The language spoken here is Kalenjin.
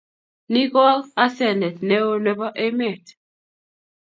Ni ko asenet neo nebo emet